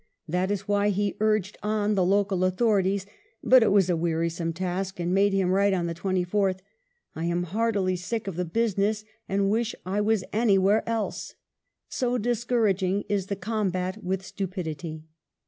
That is why he urged on the local authorities ; but it was a wearisome task, and made him write on the 24th, "I am heartily sick of the business and wish I was anywhere else," so discouraging is the combat with stupidity.